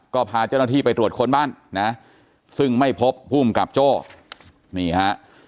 ก็พาเจ้าหน้าที่ไปตรวจค้นบ้านนะซึ่งไม่พบภูมิกับโจ้นี่ฮะ